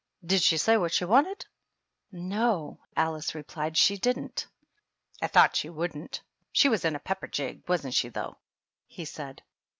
" Did she say what she wanted?" " No," Alice replied, " she didn't." " I thought she wouldn't. She was in a pep per jig, wasn't she, though?" he said.